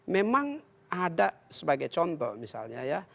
memang ada sebagai contoh misalnya ya